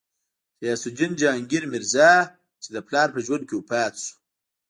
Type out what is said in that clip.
غیاث الدین جهانګیر میرزا، چې د پلار په ژوند کې وفات شو.